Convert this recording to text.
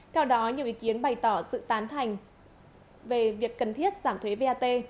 theo đó nhiều ý kiến bày tỏ sự tán thành về việc cần thiết giảm thuế vat